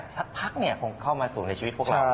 สักพักคงเข้ามาสู่ในชีวิตพวกเรา